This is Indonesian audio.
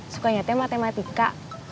sukanya teh matematika